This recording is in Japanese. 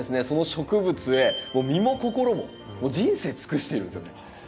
その植物へ身も心ももう人生尽くしてるんですよね